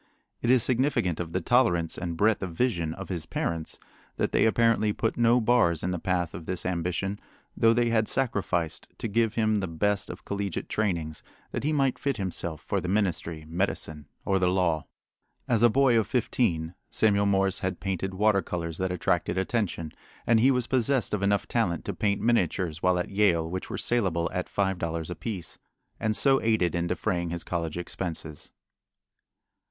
It is significant of the tolerance and breadth of vision of his parents that they apparently put no bars in the path of this ambition, though they had sacrificed to give him the best of collegiate trainings that he might fit himself for the ministry, medicine, or the law. As a boy of fifteen Samuel Morse had painted water colors that attracted attention, and he was possessed of enough talent to paint miniatures while at Yale which were salable at five dollars apiece, and so aided in defraying his college expenses.